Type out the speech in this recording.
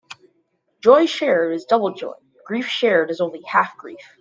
Joy shared is double joy; grief shared is only half grief.